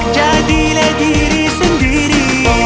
jadilah diri sendiri